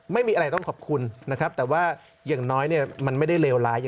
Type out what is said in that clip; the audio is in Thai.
ไม่มีอะไรต้องขอบคุณนะครับแต่ว่าอย่างน้อยมันไม่ได้เลวร้าย